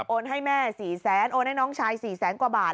ให้แม่๔แสนโอนให้น้องชาย๔แสนกว่าบาท